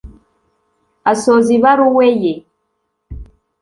Asoza ibaruwe ye